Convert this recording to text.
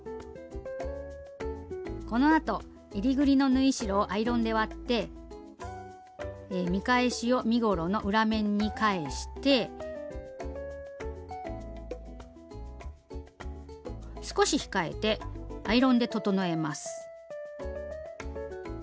このあとえりぐりの縫い代をアイロンで割って見返しを身ごろの裏面に返して少し控えてアイロンで整えます。